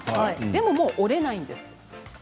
でも折れないんです。